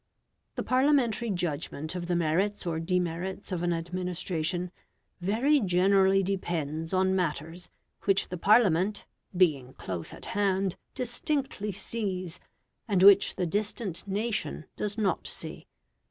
The Parliamentary judgment of the merits or demerits of an administration very generally depends on matters which the Parliament, being close at hand, distinctly sees, and which the distant nation does not see.